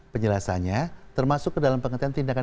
penjelasannya termasuk ke dalam pengetahuan tindakan